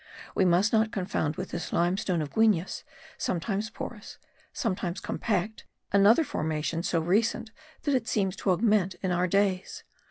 We must not confound with this limestone of Guines, sometimes porous, sometimes compact, another formation so recent that it seems to augment in our days.